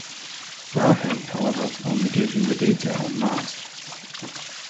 Brahe, however, only gave him the data on Mars.